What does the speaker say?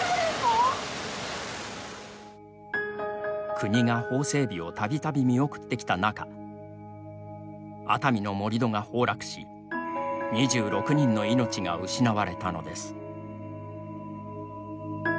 国が法整備をたびたび見送ってきた中熱海の盛り土が崩落し２６人の命が失われたのです。